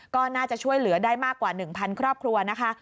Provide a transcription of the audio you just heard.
ก็น่าจะช่วยเหลือได้มากกว่า๑๐๐ครอบครัวนะคะ